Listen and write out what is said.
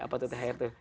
ya apa tuh thr tuh